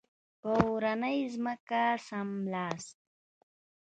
په اورنۍ ځمکه څملاست.